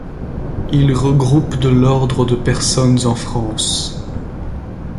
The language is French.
Il regroupe de l'ordre de personnes en France.